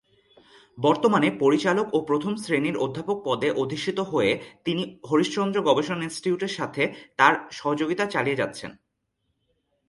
বর্তমানে পরিচালক ও প্রথম শ্রেণির অধ্যাপক পদে অধিষ্ঠিত হয়ে তিনি হরিশ-চন্দ্র গবেষণা ইনস্টিটিউটের সাথে তার সহযোগিতা চালিয়ে যাচ্ছেন।